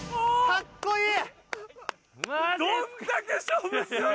かっこいい！